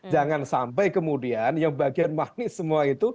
jangan sampai kemudian yang bagian magnis semua itu